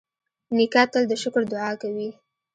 نیکه تل د شکر دعا کوي.